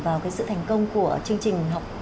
vào cái sự thành công của chương trình